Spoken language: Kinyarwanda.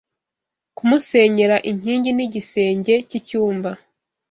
Kamusenyera inking N’igisenge cy’inyumba